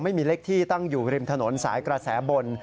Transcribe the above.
ไม่มีเล็กที่ตั้งอยู่ริมถนนสายกระแสบน